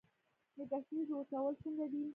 د ګشنیزو وچول څنګه دي؟